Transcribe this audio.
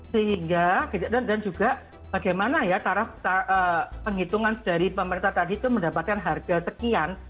sehingga dan juga bagaimana ya cara penghitungan dari pemerintah tadi itu mendapatkan harga sekian